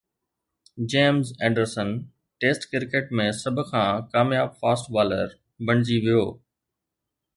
James Anderson test cricket ۾ سڀ کان ڪامياب فاسٽ بالر بڻجي ويو